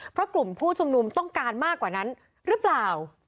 เพราะกลุ่มผู้ชุมนุมต้องการมากกว่านั้นหรือเปล่า